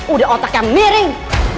udah otaknya miring